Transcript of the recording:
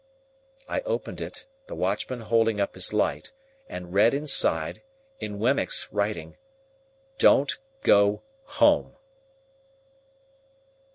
I opened it, the watchman holding up his light, and read inside, in Wemmick's writing,— "DON'T GO HOME."